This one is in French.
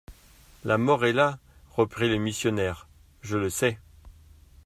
La mort est là, reprit le missionnaire, je le sais!